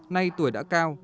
nay tuổi đã cao